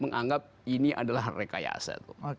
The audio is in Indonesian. menganggap ini adalah rekayasa